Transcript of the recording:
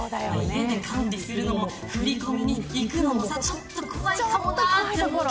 管理するのも振り込みに行くのもちょっと怖いかもなと思う。